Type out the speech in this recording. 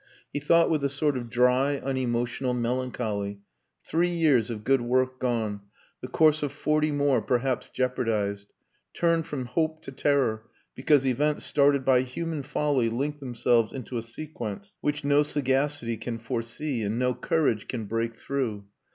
He thought with a sort of dry, unemotional melancholy; three years of good work gone, the course of forty more perhaps jeopardized turned from hope to terror, because events started by human folly link themselves into a sequence which no sagacity can foresee and no courage can break through.